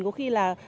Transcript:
có khi là